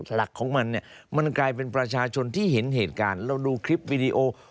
หลักของมันเนี่ยมันกลายเป็นประชาชนที่เห็นเหตุการณ์เราดูคลิปวิดีโอ